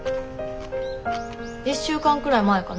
１週間くらい前かな。